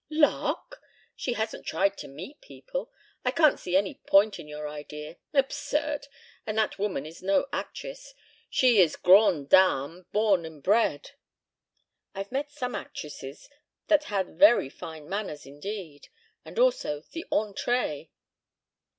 "Lark? She hasn't tried to meet people. I can't see any point in your idea. Absurd. And that woman is no actress. She is grande dame born and bred." "I've met some actresses that had very fine manners indeed, and also the entrée."